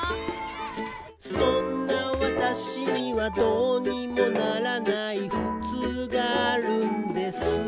「そんな私には、どうにもならないふつうがあるんです」